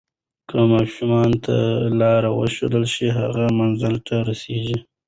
که ماشوم ته لاره وښودل شي، هغه منزل ته رسیږي.